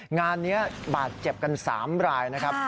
งานนี้บาดเจ็บกัน๓รายนะครับ